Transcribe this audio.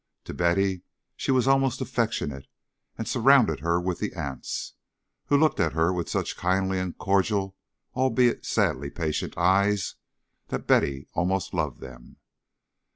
To Betty she was almost affectionate, and surrounded her with the aunts, who looked at her with such kindly and cordial, albeit sadly patient eyes, that Betty almost loved them.